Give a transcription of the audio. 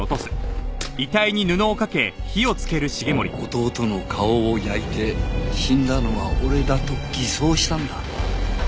弟の顔を焼いて死んだのは俺だと偽装したんだ。